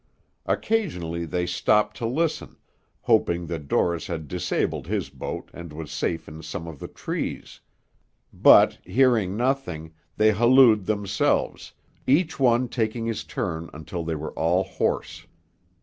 Occasionally they stopped to listen, hoping that Dorris had disabled his boat, and was safe in some of the trees, but, hearing nothing, they hallooed themselves, each one taking his turn until they were all hoarse.